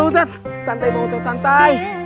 ustaz santai bang ustaz santai